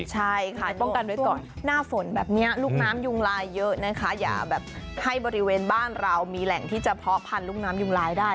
หน้าฝนแบบนี้ลูกน้ำยุงลายเยอะนะคะอย่าแบบให้บริเวณบ้านเรามีแหล่งที่จะพอพันลูกน้ำยุงลายได้